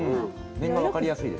面が分かりやすいですね。